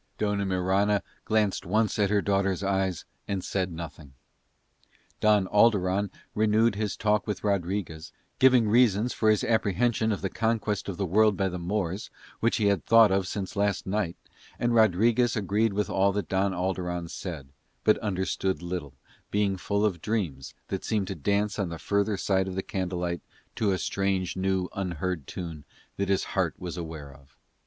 Dona Mirana glanced once at her daughter's eyes and said nothing. Don Alderon renewed his talk with Rodriguez, giving reasons for his apprehension of the conquest of the world by the Moors, which he had thought of since last night; and Rodriguez agreed with all that Don Alderon said, but understood little, being full of dreams that seemed to dance on the further, side of the candlelight to a strange, new, unheard tune that his heart was aware of.